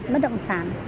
mất động sản